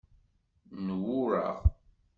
N wureɣ.